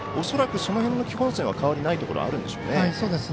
恐らくその辺の基本線は変わりないところあるんでしょう。